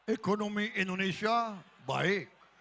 ekonomi indonesia baik